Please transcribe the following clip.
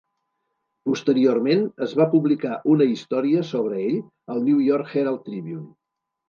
Posteriorment, es va publicar una història sobre ell al "New York Herald-Tribune".